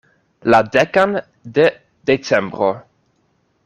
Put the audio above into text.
La dekan de Decembro!